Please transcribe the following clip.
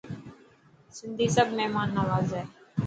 سنڌي سب مهمان نواز هي.